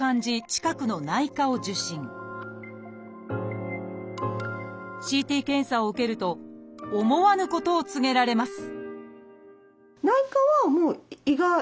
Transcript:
近くの内科を受診ＣＴ検査を受けると思わぬことを告げられます